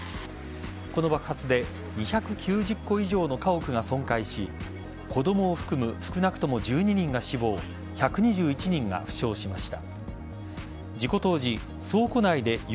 この爆発で２９０戸以上の家屋が損壊し子供を含む少なくとも１２人が死亡１２１人が負傷しました。